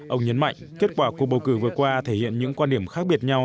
ông nhấn mạnh kết quả cuộc bầu cử vừa qua thể hiện những quan điểm khác biệt nhau